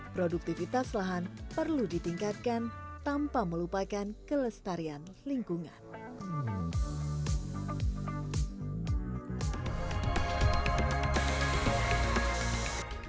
produktivitas lahan perlu ditingkatkan tanpa melupakan kelestarian lingkungan